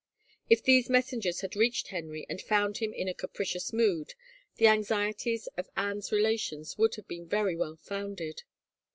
If these messengers had reached Henry and found him in a capri cious mood the anxieties of Anne's relations would have been very well founded.